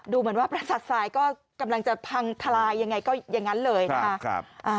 เหมือนว่าประสาทสายก็กำลังจะพังทลายยังไงก็อย่างนั้นเลยนะคะ